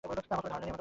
আমার কোনো ধারণা নেই!